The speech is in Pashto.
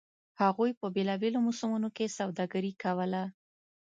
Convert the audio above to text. هغوی په بېلابېلو موسمونو کې سوداګري کوله.